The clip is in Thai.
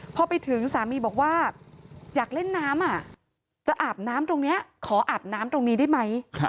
พอไปถึงสามีบอกว่าอยากเล่นน้ำจะอาบน้ำตรงนี้ขออาบน้ำตรงนี้ได้ไหม